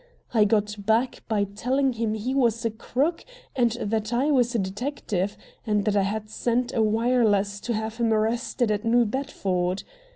I got back by telling him he was a crook and that I was a detective, and that I had sent a wireless to have him arrested at New Bedford.